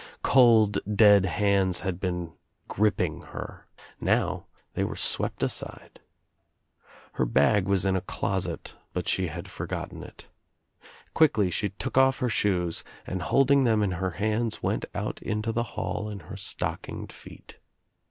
Cold dead handl had been gripping her. Now they were swept aside. Her bag was In a closet but she had forgotten it. Quickly she took off her shoes and holding them in her hands went out into the hall in her stockinged feet.